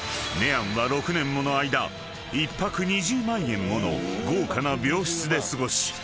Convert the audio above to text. ［ネアンは６年もの間１泊２０万円もの豪華な病室で過ごし］